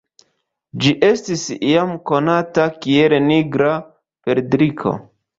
Ĝi estis iam konata kiel "Nigra perdriko".